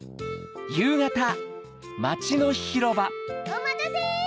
おまたせ！